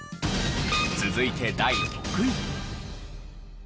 続いて第６位。